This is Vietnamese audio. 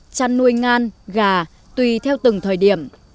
chăn nuôi ngan gà tùy theo từng thời điểm